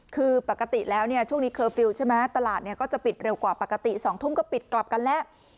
คือปกติแล้วเนี่ยช่วงนี้เคอร์ฟิลล์ใช่ไหมตลาดก็จะปิดเร็วกว่าปกติ๒ทุ่มก็ปิดกลับกันแล้ว